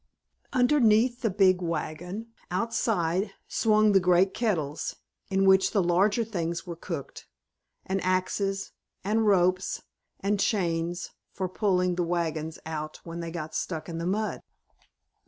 Underneath the big wagon, outside, swung the great kettles, in which the larger things were cooked, and axes, and ropes and chains for pulling the wagons out when they got stuck in the mud.